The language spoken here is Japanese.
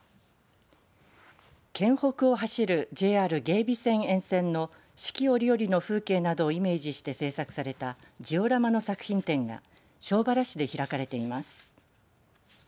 県北を走るＪＲ芸備線沿線の四季折々の風景などをイメージして制作されたジオラマの作品展が庄原市で開かれています。